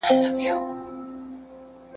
کليوال ژوند ډېر ساده وي.